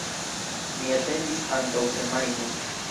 Mi atendis ankaŭ semajnon.